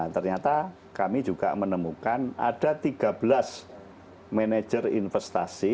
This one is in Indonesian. ternyata kami juga menemukan ada tiga belas manajer investasi